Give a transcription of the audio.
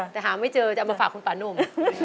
แต่หาไม่เจอจะเอามาฝากคุณป่านุ่ม